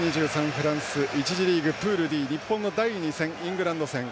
フランス１次リーグ、プールＤ日本の第２戦、イングランド戦。